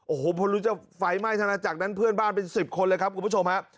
โอ้โหพอรู้ว่าไฟไหม้ทั้งนั้นจากนั้นเพื่อนบ้านเป็นสิบคนเลยครับคุณผู้ชมฮะ